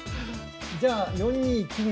じゃあ４二金右で。